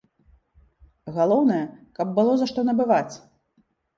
Галоўнае, каб было, за што набываць!